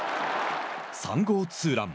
３号ツーラン。